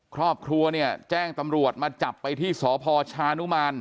ครอบครัวเนี่ยแจ้งตำรวจมาจับไปที่สพชานุมาน